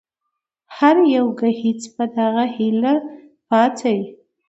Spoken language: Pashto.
هر يو ګهيځ په دغه هيله پاڅي